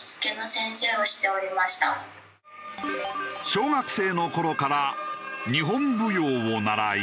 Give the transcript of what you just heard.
小学生の頃から日本舞踊を習い。